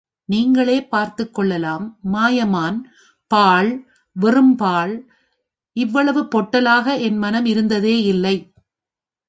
நீங்களே பார்த்துக்கொள்ளலாம் மாயமான் பாழ் வெறும்பாழ் இவ்வளவு பொட்டலாக என் மனம் இருந்ததே இல்லை.